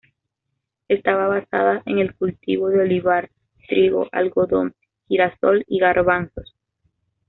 Está basada en el cultivo del olivar, trigo, algodón, girasol y garbanzos.